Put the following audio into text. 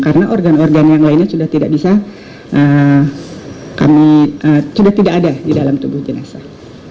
karena organ organ yang lainnya sudah tidak bisa sudah tidak ada di dalam tubuh jenazah